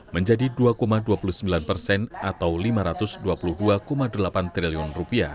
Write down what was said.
menjadi rp dua dua puluh sembilan persen atau rp lima ratus dua puluh dua delapan triliun